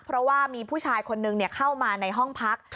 เพราะว่ามีผู้ชายคนนึงเข้ามาในห้องพัก